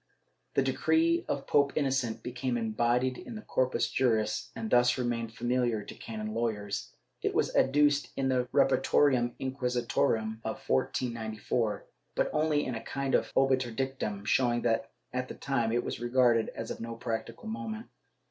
The decree of Pope Innocent became embodied in the Corpus Juris and thus remained famihar to canon lawyers; it was adduced in the Repertorium Inquisitorum of 1494, but only in a kind of obiter dictum, showing that at that time it was regarded as of no practical moment.